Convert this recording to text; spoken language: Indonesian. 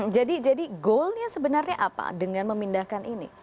jadi goalnya sebenarnya apa dengan memindahkan ini